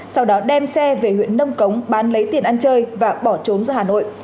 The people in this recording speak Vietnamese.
sau đó đem xe về huyện nông cống bán lấy tiền ăn chơi và bỏ trốn ra hà nội